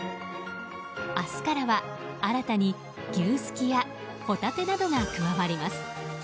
明日からは新たに、牛すきやほたてなどが加わります。